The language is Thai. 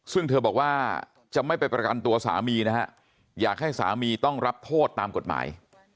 ซึ่งเธอบอกว่าจะไม่ไปประกันตัวสามีนะฮะอยากให้สามีต้องรับโทษตามกฎหมาย